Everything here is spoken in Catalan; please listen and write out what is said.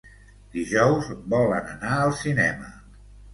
Dijous volen anar al cinema.